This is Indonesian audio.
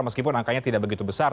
meskipun angkanya tidak begitu besar